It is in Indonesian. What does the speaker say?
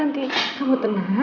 nanti kamu tenang